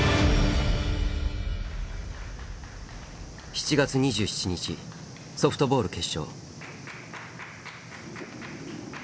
７月２７日ソフトボール決勝。